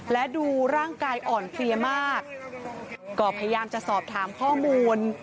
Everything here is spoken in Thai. และดูร่างกายอ่อนเพลียมากก็พยายามจะสอบถามข้อมูล